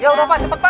udah pak cepet pak